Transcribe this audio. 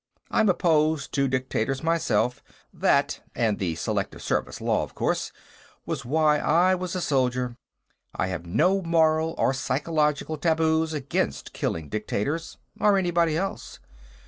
I'm opposed to dictators, myself; that and the Selective Service law, of course was why I was a soldier. I have no moral or psychological taboos against killing dictators, or anybody else.